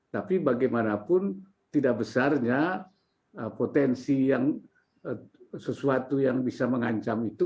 tapi bagaimanapun tidak besarnya potensi yang sesuatu yang bisa mengancam itu